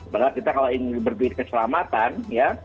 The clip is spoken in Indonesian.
padahal kita kalau ingin berduit keselamatan ya